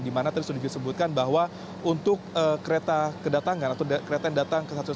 dimana tadi sudah disebutkan bahwa untuk kereta kedatangan atau kereta yang datang ke stasiun